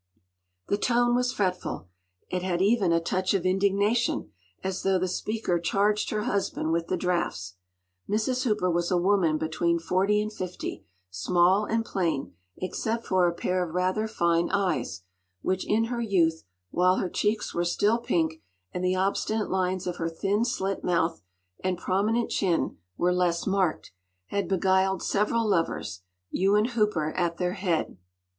” The tone was fretful. It had even a touch of indignation as though the speaker charged her husband with the draughts. Mrs. Hooper was a woman between forty and fifty, small and plain, except for a pair of rather fine eyes, which, in her youth, while her cheeks were still pink, and the obstinate lines of her thin slit mouth and prominent chin were less marked, had beguiled several lovers, Ewen Hooper at their head.